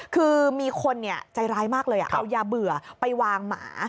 คือมีคนใจร้ายมากเลยเอายาเบื่อไปวางหมา